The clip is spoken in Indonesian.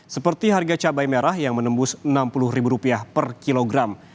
seperti harga cabai merah yang menembus rp enam puluh per kilogram